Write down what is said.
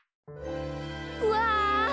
うわ！